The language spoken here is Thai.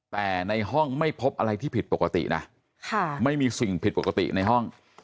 แต่ในห้องไม่พบอะไรที่ผิดปกตินะไม่มีสิ่งผิดปกติในห้อง